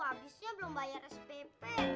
abisnya belum bayar spp